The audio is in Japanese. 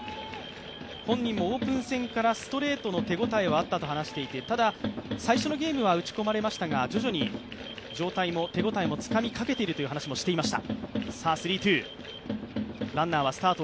本人もオープン戦からストレートの手応えはあったと話していてただ最初のゲームは打ち込まれましたが徐々に手応えもつかみかけているという話もしていました。